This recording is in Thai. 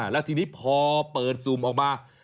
แล้วทีนี้พอเปิดซุ่มออกมา